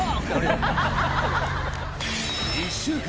１週間